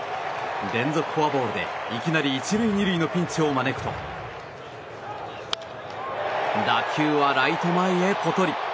連続フォアボールで、いきなり１塁２塁のピンチを招くと打球はライト前へポトリ。